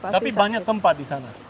tapi banyak tempat di sana